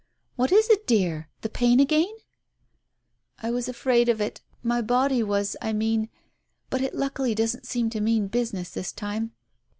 " What is it, dear ? The pain again ?" "I was afraid of it — my body was, I mean. But it luckily doesn't seem to mean business, this time.